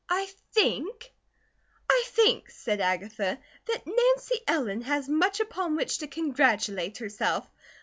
"I think I think," said Agatha, "that Nancy Ellen has much upon which to congratulate herself.